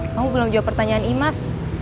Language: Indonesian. kamu belum jawab pertanyaan imas